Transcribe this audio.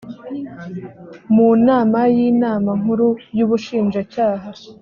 mu nama y inama nkuru y ubushinjacyaha